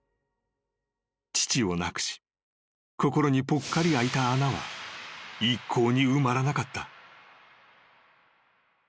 ［父を亡くし心にぽっかりあいた穴は一向に埋まらなかった］